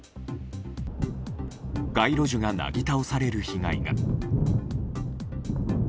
街路樹がなぎ倒される被害が。